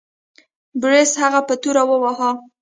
بوریس هغه په توره وواهه.